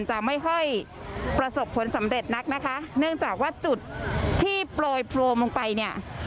จะไม่ค่อยประสบผลสำเร็จนักนะคะเนื่องจากว่าจุดที่โปรยโพรมลงไปเนี่ย